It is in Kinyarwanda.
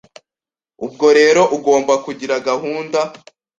Ubwo rero ugomba kugira gahunda